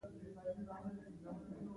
تور، سور، رزغون